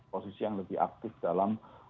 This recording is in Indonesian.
posisi yang lebih aktif dalam